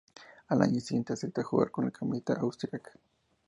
Al año siguiente acepta jugar con la camiseta austriaca.